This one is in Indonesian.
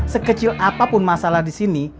sekecil apapun masalah disini